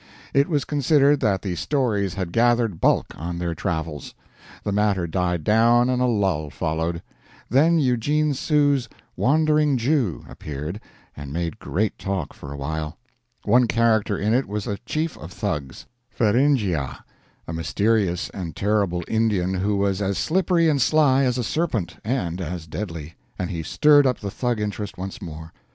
It was considered that the stories had gathered bulk on their travels. The matter died down and a lull followed. Then Eugene Sue's "Wandering Jew" appeared, and made great talk for a while. One character in it was a chief of Thugs "Feringhea" a mysterious and terrible Indian who was as slippery and sly as a serpent, and as deadly; and he stirred up the Thug interest once more.